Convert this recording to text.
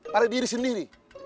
pada diri sendiri